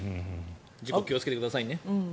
事故に気をつけてくださいね。